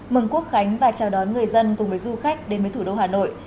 mừng quốc khánh và chào đón người dân cùng với du khách đến với thủ đô hà nội